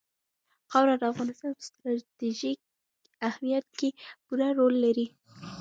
خاوره د افغانستان په ستراتیژیک اهمیت کې پوره رول لري.